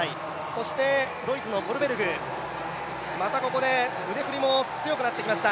そしてドイツのコルベルグまたここで腕振りも強くなってきました。